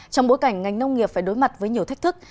trong bối cảnh ngành nông nghiệp phải đối mặt với nhiều thách thức